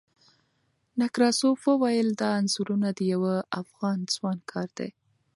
نکراسوف وویل، دا انځورونه د یوه افغان ځوان کار دی.